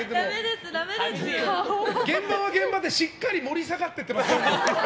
現場は現場でしっかり盛り下がってます。